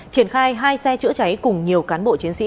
triển khai hai xe chữa cháy cùng nhiều cán bộ chiến sĩ